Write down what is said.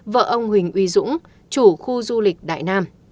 vợ ông huỳnh uy dũng chủ khu du lịch đại nam